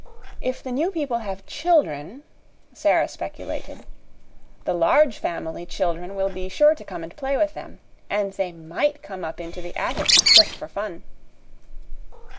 "If the new people have children," Sara speculated, "the Large Family children will be sure to come and play with them, and they MIGHT come up into the attic just for fun."